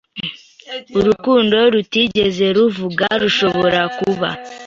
Urukundo rutigeze ruvuga rushobora kuba